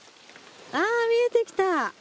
ああ見えてきた。